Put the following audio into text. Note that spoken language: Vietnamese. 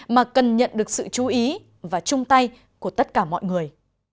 mà cần nhận được sự chú ý và chung tay của tất cả mọi người